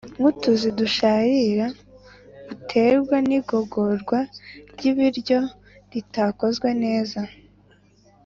nk’utuzi dusharira; buterwa n’igogorwa ry’ibiryo ritakozwe neza